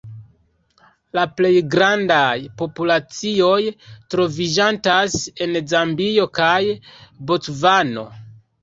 La plej grandaj populacioj troviĝantas en Zambio kaj Bocvano.